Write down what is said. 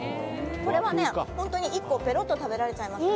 これはね、本当に１個ペロッと食べられちゃいます。